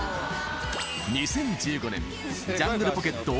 ２０１５年ジャングルポケット